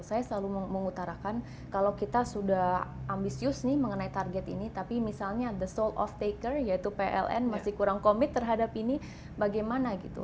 saya selalu mengutarakan kalau kita sudah ambisius nih mengenai target ini tapi misalnya the soul of taker yaitu pln masih kurang komit terhadap ini bagaimana gitu